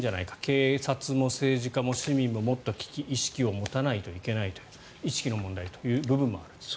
警察も政治家も市民ももっと危機意識を持たないといけないという意識の問題という部分もある。